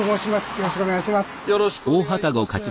よろしくお願いします。